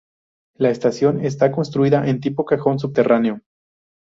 La estación está construida en tipo cajón subterráneo.